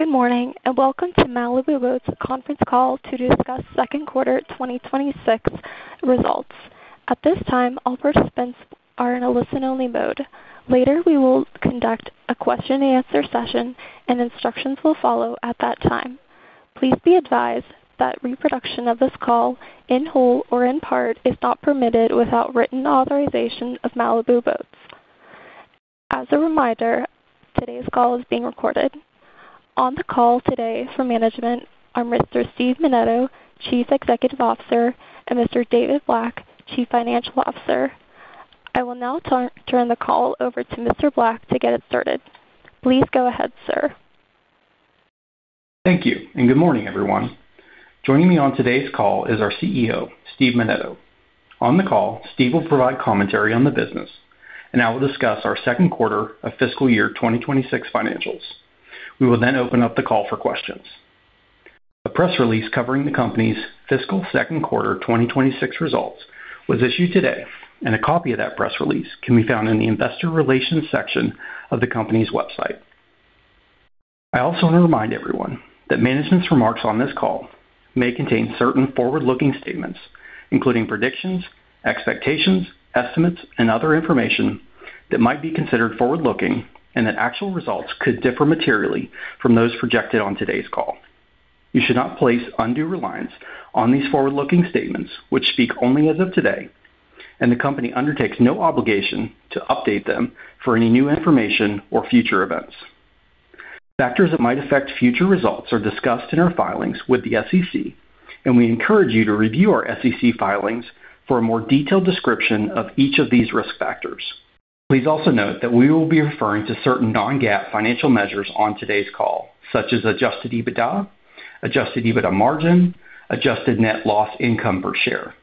Good morning and welcome to Malibu Boats' conference call to discuss second quarter 2026 results. At this time, all participants are in a listen-only mode. Later, we will conduct a question-and-answer session, and instructions will follow at that time. Please be advised that reproduction of this call, in whole or in part, is not permitted without written authorization of Malibu Boats. As a reminder, today's call is being recorded. On the call today for management are Mr. Steve Menneto, Chief Executive Officer, and Mr. David Black, Chief Financial Officer. I will now turn the call over to Mr. Black to get it started. Please go ahead, sir. Thank you, and good morning, everyone. Joining me on today's call is our CEO, Steve Menneto. On the call, Steve will provide commentary on the business, and I will discuss our second quarter of fiscal year 2026 financials. We will then open up the call for questions. A press release covering the company's fiscal second quarter 2026 results was issued today, and a copy of that press release can be found in the investor relations section of the company's website. I also want to remind everyone that management's remarks on this call may contain certain forward-looking statements, including predictions, expectations, estimates, and other information that might be considered forward-looking and that actual results could differ materially from those projected on today's call. You should not place undue reliance on these forward-looking statements, which speak only as of today, and the company undertakes no obligation to update them for any new information or future events. Factors that might affect future results are discussed in our filings with the SEC, and we encourage you to review our SEC filings for a more detailed description of each of these risk factors. Please also note that we will be referring to certain non-GAAP financial measures on today's call, such as adjusted EBITDA, adjusted EBITDA margin, adjusted net loss/income per share.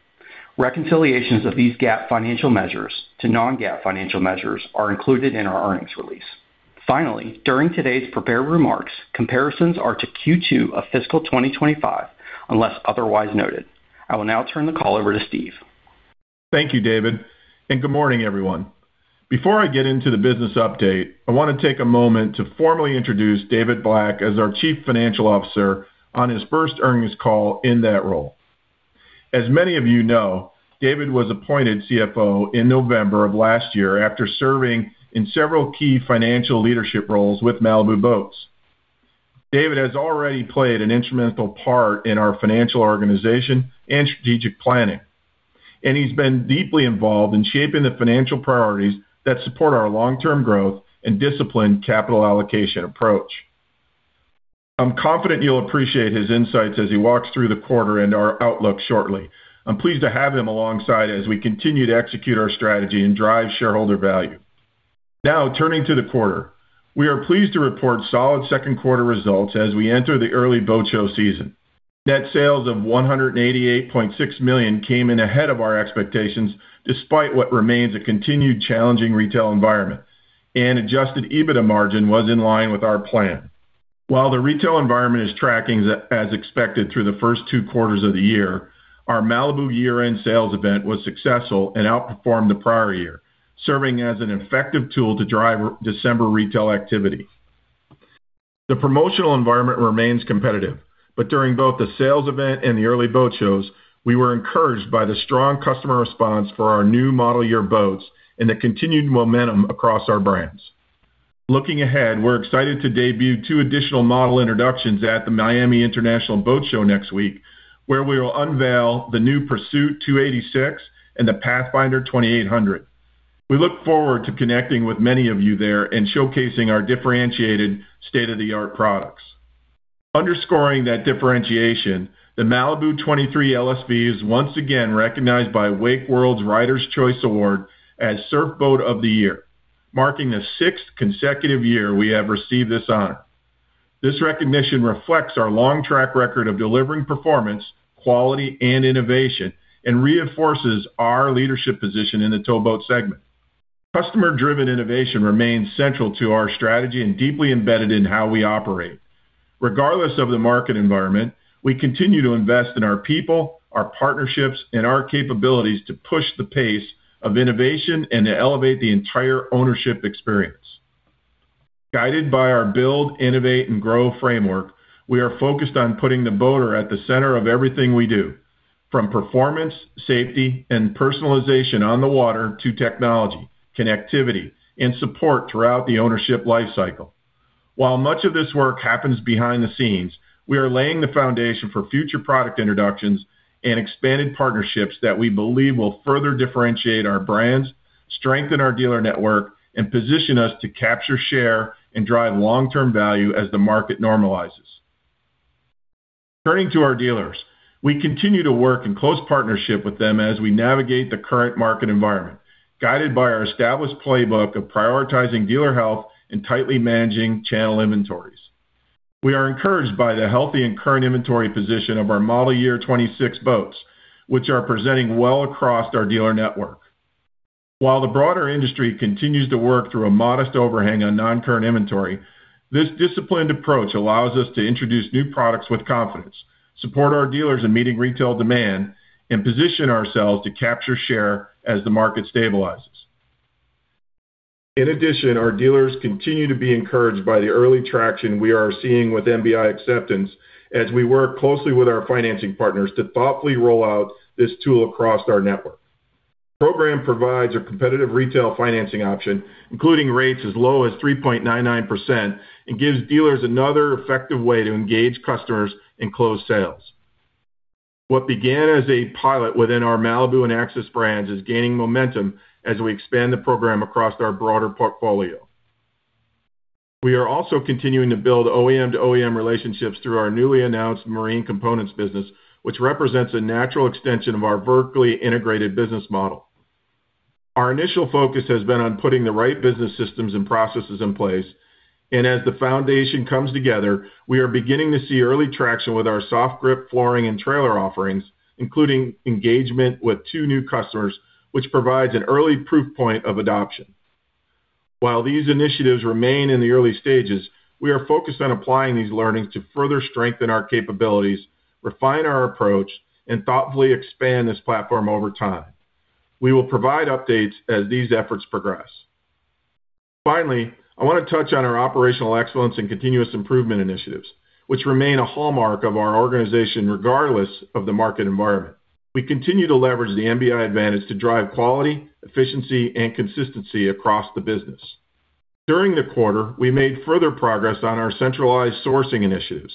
Reconciliations of these GAAP financial measures to non-GAAP financial measures are included in our earnings release. Finally, during today's prepared remarks, comparisons are to Q2 of fiscal 2025 unless otherwise noted. I will now turn the call over to Steve. Thank you, David, and good morning, everyone. Before I get into the business update, I want to take a moment to formally introduce David Black as our Chief Financial Officer on his first earnings call in that role. As many of you know, David was appointed CFO in November of last year after serving in several key financial leadership roles with Malibu Boats. David has already played an instrumental part in our financial organization and strategic planning, and he's been deeply involved in shaping the financial priorities that support our long-term growth and disciplined capital allocation approach. I'm confident you'll appreciate his insights as he walks through the quarter and our outlook shortly. I'm pleased to have him alongside us as we continue to execute our strategy and drive shareholder value. Now, turning to the quarter, we are pleased to report solid second quarter results as we enter the early boat show season. Net sales of $188.6 million came in ahead of our expectations despite what remains a continued challenging retail environment, and Adjusted EBITDA margin was in line with our plan. While the retail environment is tracking as expected through the first two quarters of the year, our Malibu year-end sales event was successful and outperformed the prior year, serving as an effective tool to drive December retail activity. The promotional environment remains competitive, but during both the sales event and the early boat shows, we were encouraged by the strong customer response for our new model year boats and the continued momentum across our brands. Looking ahead, we're excited to debut two additional model introductions at the Miami International Boat Show next week, where we will unveil the new Pursuit 286 and the Pathfinder 2800. We look forward to connecting with many of you there and showcasing our differentiated, state-of-the-art products. Underscoring that differentiation, the Malibu 23 LSV is once again recognized by WakeWorld's Riders' Choice Award as Surfboat of the Year, marking the sixth consecutive year we have received this honor. This recognition reflects our long track record of delivering performance, quality, and innovation, and reinforces our leadership position in the towboat segment. Customer-driven innovation remains central to our strategy and deeply embedded in how we operate. Regardless of the market environment, we continue to invest in our people, our partnerships, and our capabilities to push the pace of innovation and to elevate the entire ownership experience. Guided by our Build, Innovate, and Grow framework, we are focused on putting the boater at the center of everything we do, from performance, safety, and personalization on the water to technology, connectivity, and support throughout the ownership lifecycle. While much of this work happens behind the scenes, we are laying the foundation for future product introductions and expanded partnerships that we believe will further differentiate our brands, strengthen our dealer network, and position us to capture share and drive long-term value as the market normalizes. Turning to our dealers, we continue to work in close partnership with them as we navigate the current market environment, guided by our established playbook of prioritizing dealer health and tightly managing channel inventories. We are encouraged by the healthy and current inventory position of our model year 2026 boats, which are presenting well across our dealer network. While the broader industry continues to work through a modest overhang on non-current inventory, this disciplined approach allows us to introduce new products with confidence, support our dealers in meeting retail demand, and position ourselves to capture share as the market stabilizes. In addition, our dealers continue to be encouraged by the early traction we are seeing with MBI Acceptance as we work closely with our financing partners to thoughtfully roll out this tool across our network. The program provides a competitive retail financing option, including rates as low as 3.99%, and gives dealers another effective way to engage customers in closed sales. What began as a pilot within our Malibu and Axis brands is gaining momentum as we expand the program across our broader portfolio. We are also continuing to build OEM-to-OEM relationships through our newly announced marine components business, which represents a natural extension of our vertically integrated business model. Our initial focus has been on putting the right business systems and processes in place, and as the foundation comes together, we are beginning to see early traction with our Soft Grip flooring and trailer offerings, including engagement with two new customers, which provides an early proof point of adoption. While these initiatives remain in the early stages, we are focused on applying these learnings to further strengthen our capabilities, refine our approach, and thoughtfully expand this platform over time. We will provide updates as these efforts progress. Finally, I want to touch on our operational excellence and continuous improvement initiatives, which remain a hallmark of our organization regardless of the market environment. We continue to leverage the MBI advantage to drive quality, efficiency, and consistency across the business. During the quarter, we made further progress on our centralized sourcing initiatives,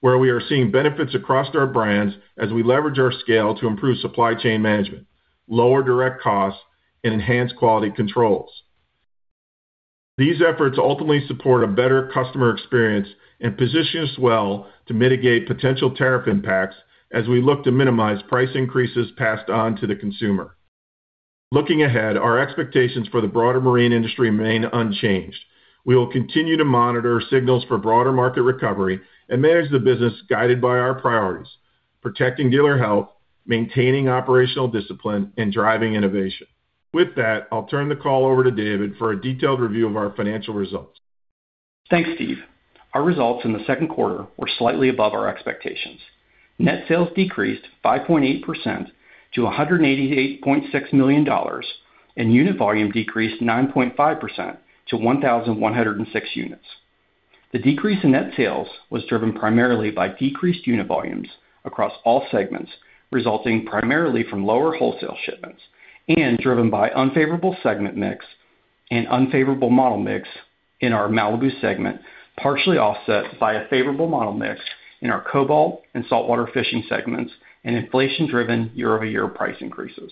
where we are seeing benefits across our brands as we leverage our scale to improve supply chain management, lower direct costs, and enhance quality controls. These efforts ultimately support a better customer experience and position us well to mitigate potential tariff impacts as we look to minimize price increases passed on to the consumer. Looking ahead, our expectations for the broader marine industry remain unchanged. We will continue to monitor signals for broader market recovery and manage the business guided by our priorities: protecting dealer health, maintaining operational discipline, and driving innovation. With that, I'll turn the call over to David for a detailed review of our financial results. Thanks, Steve. Our results in the second quarter were slightly above our expectations. Net sales decreased 5.8% to $188.6 million, and unit volume decreased 9.5% to 1,106 units. The decrease in net sales was driven primarily by decreased unit volumes across all segments, resulting primarily from lower wholesale shipments, and driven by unfavorable segment mix and unfavorable model mix in our Malibu segment, partially offset by a favorable model mix in our Cobalt and saltwater fishing segments and inflation-driven year-over-year price increases.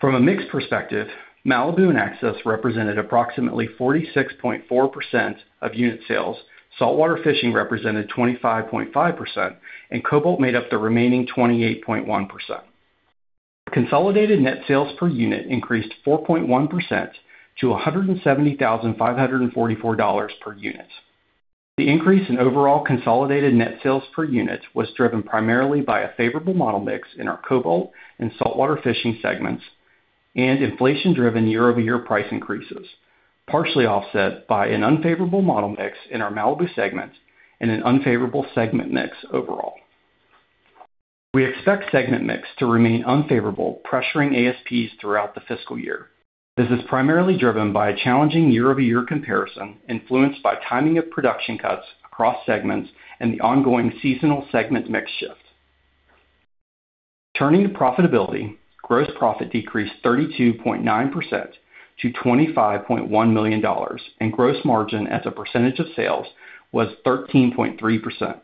From a mixed perspective, Malibu and Axis represented approximately 46.4% of unit sales, saltwater fishing represented 25.5%, and Cobalt made up the remaining 28.1%. Consolidated net sales per unit increased 4.1% to $170,544 per unit. The increase in overall consolidated net sales per unit was driven primarily by a favorable model mix in our Cobalt and saltwater fishing segments and inflation-driven year-over-year price increases, partially offset by an unfavorable model mix in our Malibu segment and an unfavorable segment mix overall. We expect segment mix to remain unfavorable, pressuring ASPs throughout the fiscal year. This is primarily driven by a challenging year-over-year comparison influenced by timing of production cuts across segments and the ongoing seasonal segment mix shift. Turning to profitability, gross profit decreased 32.9% to $25.1 million, and gross margin as a percentage of sales was 13.3%.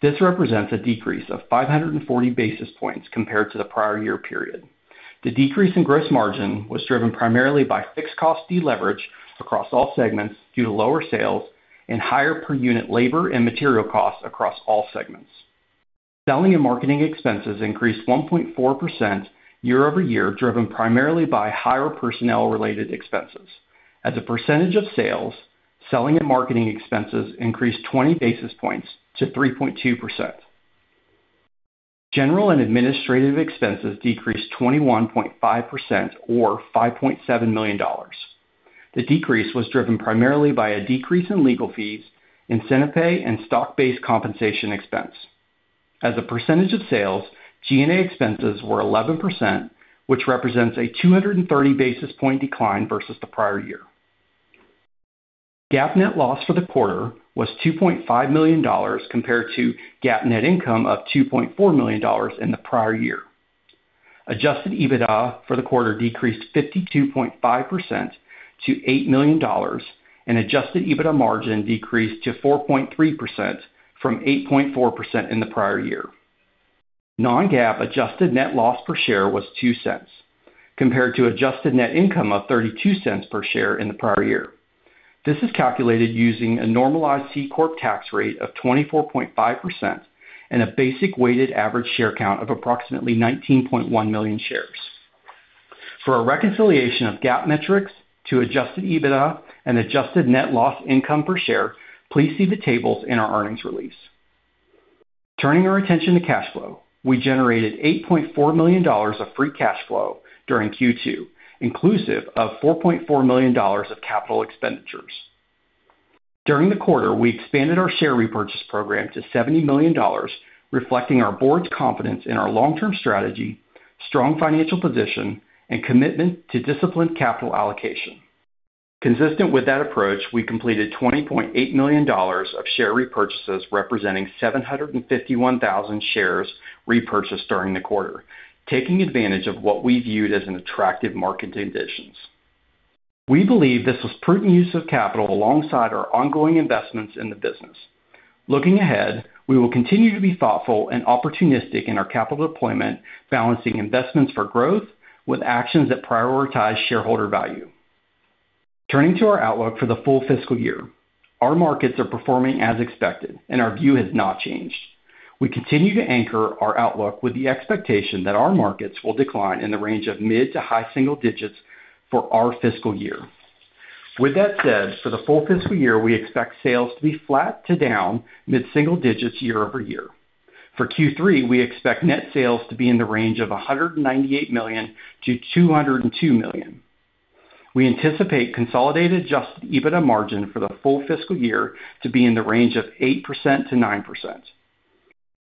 This represents a decrease of 540 basis points compared to the prior year period. The decrease in gross margin was driven primarily by fixed cost deleverage across all segments due to lower sales and higher per unit labor and material costs across all segments. Selling and marketing expenses increased 1.4% year-over-year, driven primarily by higher personnel-related expenses. As a percentage of sales, selling and marketing expenses increased 20 basis points to 3.2%. General and administrative expenses decreased 21.5% or $5.7 million. The decrease was driven primarily by a decrease in legal fees, incentive pay, and stock-based compensation expense. As a percentage of sales, G&A expenses were 11%, which represents a 230 basis point decline versus the prior year. GAAP net loss for the quarter was $2.5 million compared to GAAP net income of $2.4 million in the prior year. Adjusted EBITDA for the quarter decreased 52.5% to $8 million, and adjusted EBITDA margin decreased to 4.3% from 8.4% in the prior year. Non-GAAP adjusted net loss per share was $0.02 compared to adjusted net income of $0.32 per share in the prior year. This is calculated using a normalized C Corp tax rate of 24.5% and a basic weighted average share count of approximately 19.1 million shares. For a reconciliation of GAAP metrics to adjusted EBITDA and adjusted net loss/income per share, please see the tables in our earnings release. Turning our attention to cash flow, we generated $8.4 million of free cash flow during Q2, inclusive of $4.4 million of capital expenditures. During the quarter, we expanded our share repurchase program to $70 million, reflecting our board's confidence in our long-term strategy, strong financial position, and commitment to disciplined capital allocation. Consistent with that approach, we completed $20.8 million of share repurchases, representing 751,000 shares repurchased during the quarter, taking advantage of what we viewed as an attractive market conditions. We believe this was prudent use of capital alongside our ongoing investments in the business. Looking ahead, we will continue to be thoughtful and opportunistic in our capital deployment, balancing investments for growth with actions that prioritize shareholder value. Turning to our outlook for the full fiscal year, our markets are performing as expected, and our view has not changed. We continue to anchor our outlook with the expectation that our markets will decline in the range of mid to high single digits for our fiscal year. With that said, for the full fiscal year, we expect sales to be flat to down mid-single digits year-over-year. For Q3, we expect net sales to be in the range of $198 million-$202 million. We anticipate consolidated Adjusted EBITDA margin for the full fiscal year to be in the range of 8%-9%.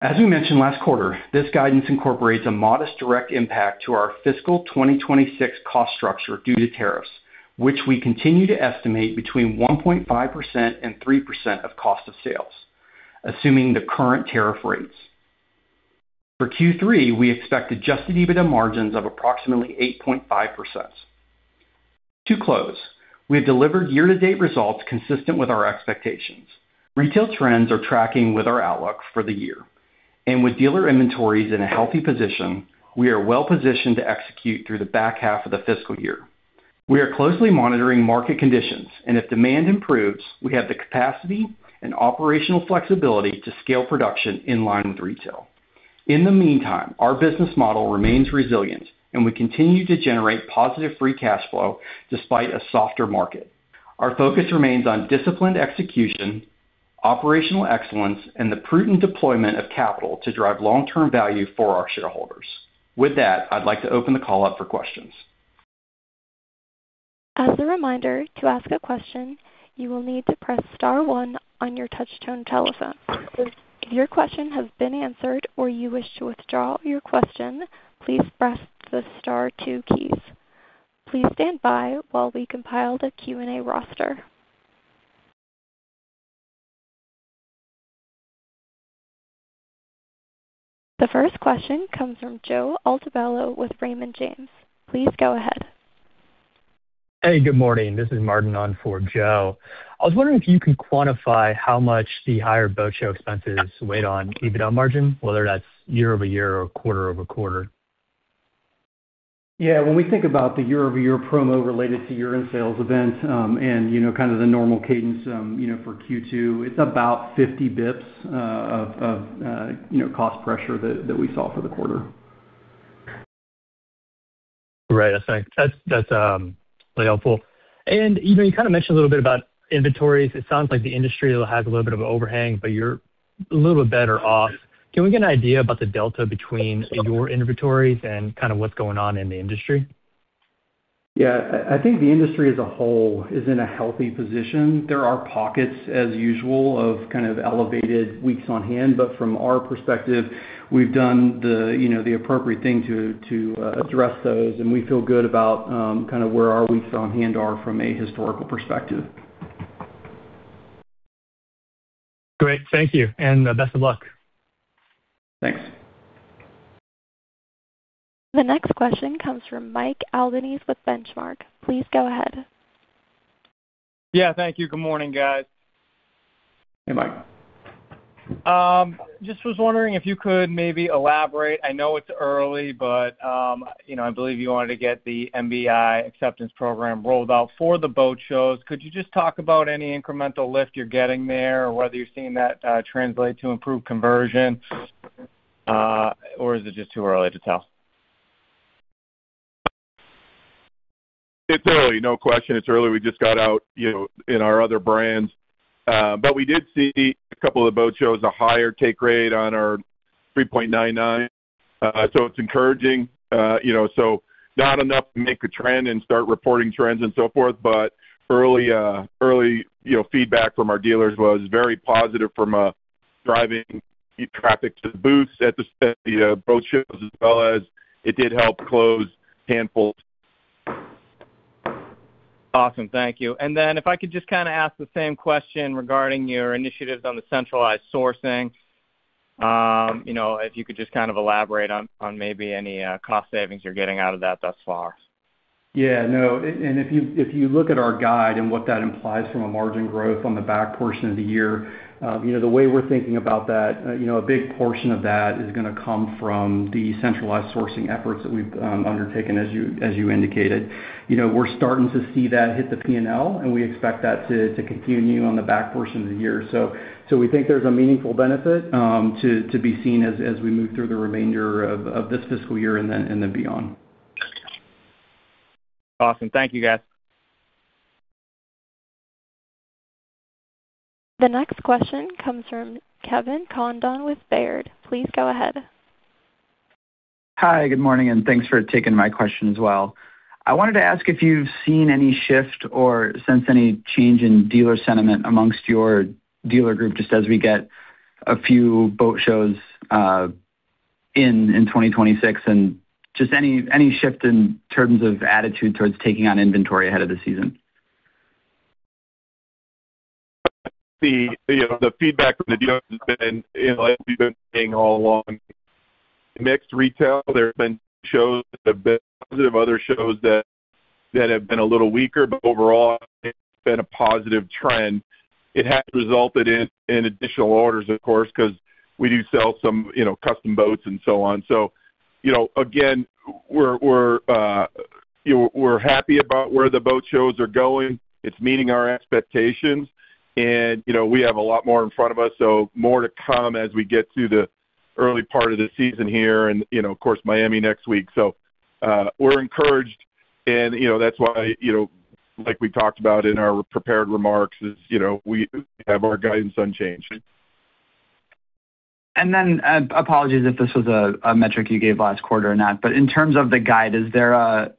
As we mentioned last quarter, this guidance incorporates a modest direct impact to our fiscal 2026 cost structure due to tariffs, which we continue to estimate between 1.5% and 3% of cost of sales, assuming the current tariff rates. For Q3, we expect Adjusted EBITDA margins of approximately 8.5%. To close, we have delivered year-to-date results consistent with our expectations. Retail trends are tracking with our outlook for the year, and with dealer inventories in a healthy position, we are well positioned to execute through the back half of the fiscal year. We are closely monitoring market conditions, and if demand improves, we have the capacity and operational flexibility to scale production in line with retail. In the meantime, our business model remains resilient, and we continue to generate positive Free Cash Flow despite a softer market. Our focus remains on disciplined execution, operational excellence, and the prudent deployment of capital to drive long-term value for our shareholders. With that, I'd like to open the call up for questions. As a reminder, to ask a question, you will need to press star one on your touchtone telephone. If your question has been answered or you wish to withdraw your question, please press the star two keys. Please stand by while we compile the Q&A roster. The first question comes from Joe Altobello with Raymond James. Please go ahead. Hey, good morning. This is Martin on for Joe. I was wondering if you can quantify how much the higher boat show expenses weighed on EBITDA margin, whether that's year-over-year or quarter-over-quarter. Yeah. When we think about the year-over-year promo related to year-end sales events and kind of the normal cadence for Q2, it's about 50 bips of cost pressure that we saw for the quarter. Right. I think that's really helpful. You kind of mentioned a little bit about inventories. It sounds like the industry has a little bit of an overhang, but you're a little bit better off. Can we get an idea about the delta between your inventories and kind of what's going on in the industry? Yeah. I think the industry as a whole is in a healthy position. There are pockets, as usual, of kind of elevated weeks on hand. But from our perspective, we've done the appropriate thing to address those, and we feel good about kind of where our weeks on hand are from a historical perspective. Great. Thank you. And best of luck. Thanks. The next question comes from Mike Albanese with Benchmark. Please go ahead. Yeah. Thank you. Good morning, guys. Hey, Mike. Just was wondering if you could maybe elaborate. I know it's early, but I believe you wanted to get the MBI Acceptance program rolled out for the boat shows. Could you just talk about any incremental lift you're getting there or whether you're seeing that translate to improved conversion, or is it just too early to tell? It's early. No question. It's early. We just got out in our other brands. But we did see a couple of the boat shows a higher take rate on our 3.99, so it's encouraging. So not enough to make a trend and start reporting trends and so forth, but early feedback from our dealers was very positive from driving traffic to the booths at the boat shows as well as it did help close handfuls. Awesome. Thank you. And then if I could just kind of ask the same question regarding your initiatives on the centralized sourcing, if you could just kind of elaborate on maybe any cost savings you're getting out of that thus far? Yeah. No. If you look at our guide and what that implies from a margin growth on the back portion of the year, the way we're thinking about that, a big portion of that is going to come from the centralized sourcing efforts that we've undertaken, as you indicated. We're starting to see that hit the P&L, and we expect that to continue on the back portion of the year. We think there's a meaningful benefit to be seen as we move through the remainder of this fiscal year and then beyond. Awesome. Thank you, guys. The next question comes from Kevin Condon with Baird. Please go ahead. Hi. Good morning. Thanks for taking my question as well. I wanted to ask if you've seen any shift or sense any change in dealer sentiment amongst your dealer group just as we get a few boat shows in 2026, and just any shift in terms of attitude towards taking on inventory ahead of the season? The feedback from the dealers has been like we've been saying all along. Mixed retail. There have been shows that have been positive, other shows that have been a little weaker. But overall, it's been a positive trend. It has resulted in additional orders, of course, because we do sell some custom boats and so on. So again, we're happy about where the boat shows are going. It's meeting our expectations, and we have a lot more in front of us, so more to come as we get through the early part of the season here and, of course, Miami next week. So we're encouraged, and that's why, like we talked about in our prepared remarks, is we have our guidance unchanged. And then apologies if this was a metric you gave last quarter or not, but in terms of the guide, is there a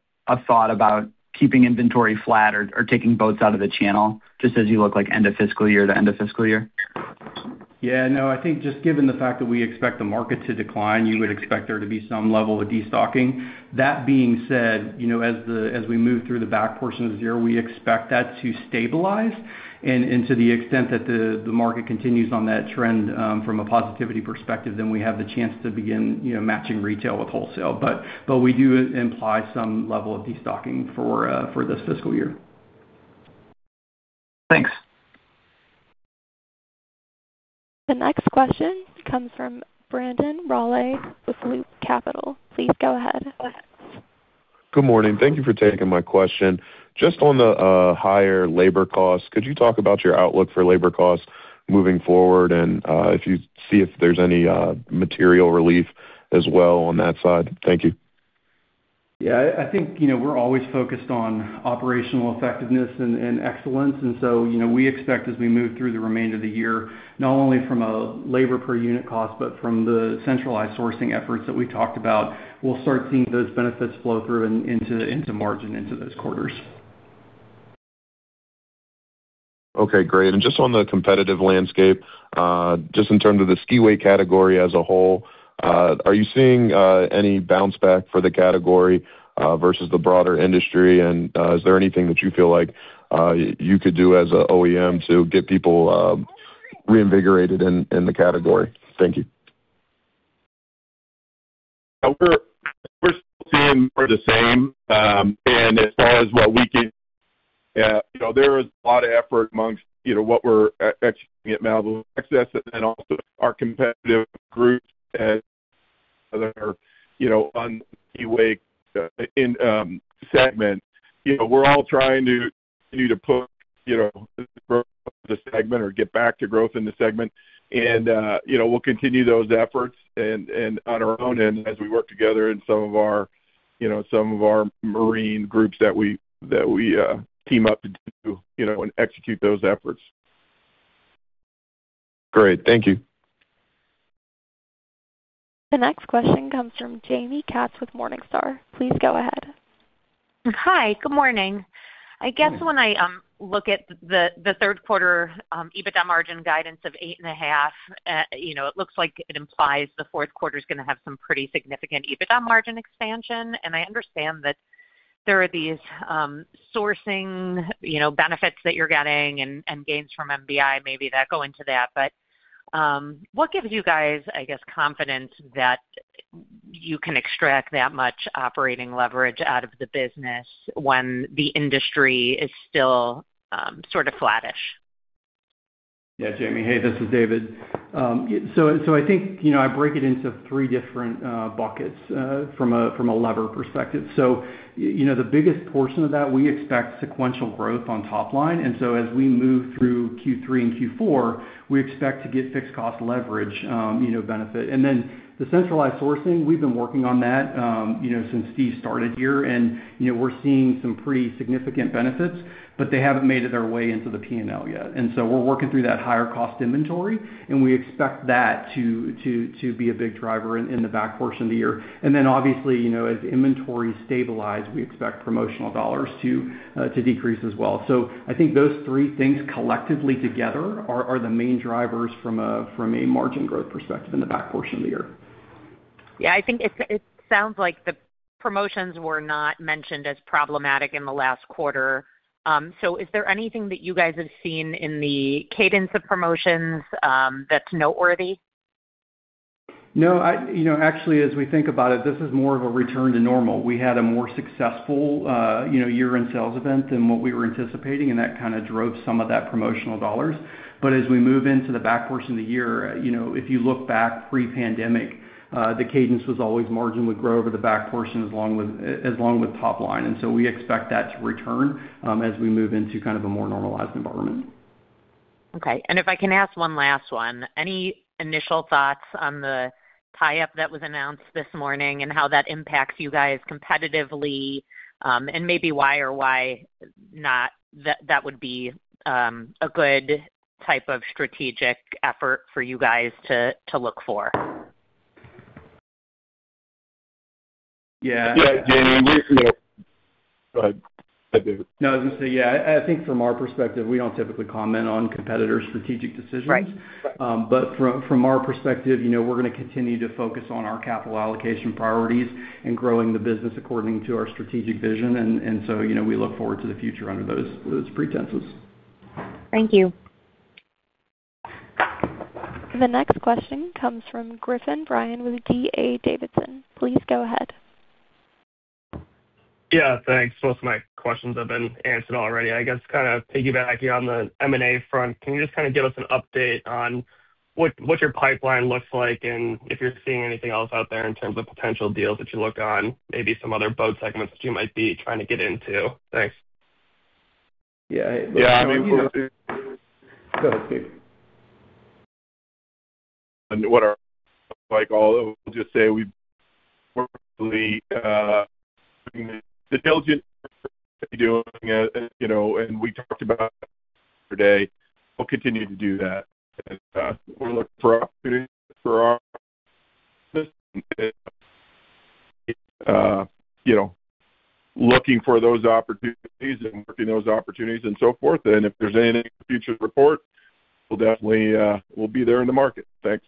thought about keeping inventory flat or taking boats out of the channel just as you look end of fiscal year to end of fiscal year? Yeah. No. I think just given the fact that we expect the market to decline, you would expect there to be some level of destocking. That being said, as we move through the back portion of the year, we expect that to stabilize. And to the extent that the market continues on that trend from a positivity perspective, then we have the chance to begin matching retail with wholesale. But we do imply some level of destocking for this fiscal year. Thanks. The next question comes from Brandon Rollé with Loop Capital. Please go ahead. Good morning. Thank you for taking my question. Just on the higher labor costs, could you talk about your outlook for labor costs moving forward and if you see if there's any material relief as well on that side? Thank you. Yeah. I think we're always focused on operational effectiveness and excellence. So we expect, as we move through the remainder of the year, not only from a labor per unit cost but from the centralized sourcing efforts that we talked about, we'll start seeing those benefits flow through into margin into those quarters. Okay. Great. And just on the competitive landscape, just in terms of the ski and wake category as a whole, are you seeing any bounce back for the category versus the broader industry? And is there anything that you feel like you could do as an OEM to get people reinvigorated in the category? Thank you. We're still seeing more of the same. As far as what we can. There is a lot of effort amongst what we're actually doing at Malibu and Axis, and then also our competitive groups that are on the ski/wake segment. We're all trying to continue to put growth in the segment or get back to growth in the segment. We'll continue those efforts on our own end as we work together in some of our marine groups that we team up to do and execute those efforts. Great. Thank you. The next question comes from Jaime Katz with Morningstar. Please go ahead. Hi. Good morning. I guess when I look at the third-quarter EBITDA margin guidance of 8.5%, it looks like it implies the fourth quarter is going to have some pretty significant EBITDA margin expansion. And I understand that there are these sourcing benefits that you're getting and gains from MBI maybe that go into that. But what gives you guys, I guess, confidence that you can extract that much operating leverage out of the business when the industry is still sort of flattish? Yeah, Jamie. Hey, this is David. So I think I break it into three different buckets from a lever perspective. So the biggest portion of that, we expect sequential growth on top line. And so as we move through Q3 and Q4, we expect to get fixed-cost leverage benefit. And then the centralized sourcing, we've been working on that since Steve started here, and we're seeing some pretty significant benefits, but they haven't made it their way into the P&L yet. And so we're working through that higher-cost inventory, and we expect that to be a big driver in the back portion of the year. And then obviously, as inventory stabilizes, we expect promotional dollars to decrease as well. So I think those three things collectively together are the main drivers from a margin growth perspective in the back portion of the year. Yeah. I think it sounds like the promotions were not mentioned as problematic in the last quarter. So is there anything that you guys have seen in the cadence of promotions that's noteworthy? No. Actually, as we think about it, this is more of a return to normal. We had a more successful year-end sales event than what we were anticipating, and that kind of drove some of that promotional dollars. But as we move into the back portion of the year, if you look back pre-pandemic, the cadence was always margin would grow over the back portion as long as with top line. And so we expect that to return as we move into kind of a more normalized environment. Okay. And if I can ask one last one, any initial thoughts on the tie-up that was announced this morning and how that impacts you guys competitively and maybe why or why not that would be a good type of strategic effort for you guys to look for? Yeah. Yeah, Jamie. Go ahead. Go ahead, David. No. I was going to say, yeah, I think from our perspective, we don't typically comment on competitors' strategic decisions. But from our perspective, we're going to continue to focus on our capital allocation priorities and growing the business according to our strategic vision. And so we look forward to the future under those pretenses. Thank you. The next question comes from Griffin Bryan with D.A. Davidson. Please go ahead. Yeah. Thanks. Most of my questions have been answered already. I guess kind of piggybacking on the M&A front, can you just kind of give us an update on what your pipeline looks like and if you're seeing anything else out there in terms of potential deals that you look on, maybe some other boat segments that you might be trying to get into? Thanks. Yeah. I mean, we'll see. Go ahead, Steve. -what are- -like all, we'll just say we're hopefully doing the diligence work that we're doing. We talked about it yesterday. We'll continue to do that. We're looking for opportunities for our business and you know, looking for those opportunities and working those opportunities and so forth. If there's anything in the future report, we'll definitely be there in the market. Thanks.